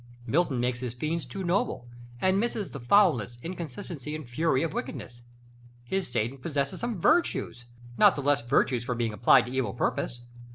Milton makes his fiends too noble, and misses the foulness, inconstancy, and fury of wickedness. His Satan possesses some virtues, not the less virtues for being applied to evil purpose.